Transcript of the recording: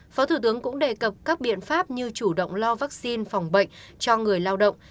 phó thủ tướng cũng đề cập các biện pháp như chủ động lo vaccine phòng bệnh cho người lao động